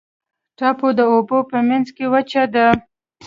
ټاپو د اوبو په منځ کې وچه ده.